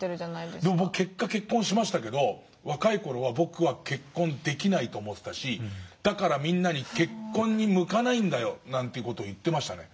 でも僕結果結婚しましたけど若い頃は「僕は結婚できない」と思ってたしみんなに「結婚に向かないんだよ」という事を言ってましたね。